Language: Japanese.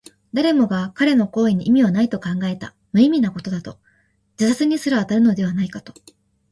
誰もが彼の行為に意味はないと考えた。無意味なことだと、自殺にすら当たるのではないかと。